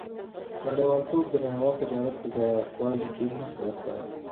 • نړیوالتوب د نړیوال تجارت په زیاتوالي کې مرسته وکړه.